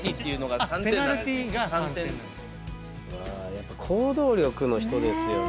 やっぱ行動力の人ですよね。